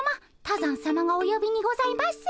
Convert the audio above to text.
多山さまがおよびにございます。